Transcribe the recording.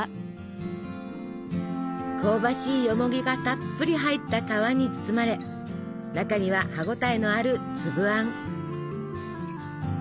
香ばしいよもぎがたっぷり入った皮に包まれ中には歯応えのある粒あん。